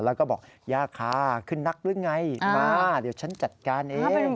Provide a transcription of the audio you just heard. แล้วก็บอกยากค่ะขึ้นนักหรือไงมาเดี๋ยวฉันจัดการเอง